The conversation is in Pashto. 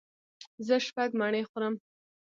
زه شپږ مڼې خورم.